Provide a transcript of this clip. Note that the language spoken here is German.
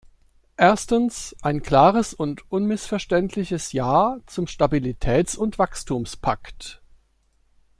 Erstens, ein klares und unmissverständliches Ja zum Stabilitäts- und Wachstumspakt.